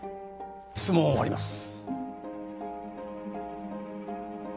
質問を終わります。